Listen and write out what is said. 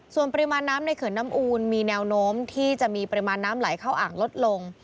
ส่วนปริมาณน้ำในเขื่อนน้ำอูนมีแนวโน้มที่จะมีปริมาณน้ำไหลเข้าอ่างลดลง